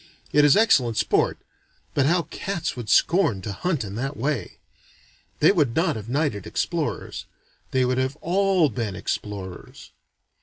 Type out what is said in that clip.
It is excellent sport but how cats would scorn to hunt in that way! They would not have knighted explorers they would have all been explorers.